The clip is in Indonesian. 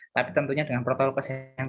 tapi tentunya dengan protokol kesehatan